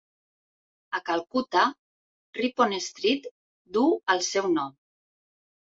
A Calcuta, Ripon Street duu el seu nom.